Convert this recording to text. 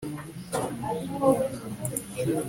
Abanyakanani bakomeje gutura mu Befurayimu i Gezeri.